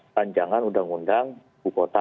panjangan undang undang ibu kota